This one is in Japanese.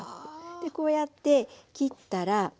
でこうやって切ったらザクザク。